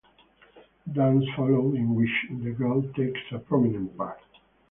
A dance follows, in which the girl takes a prominent part.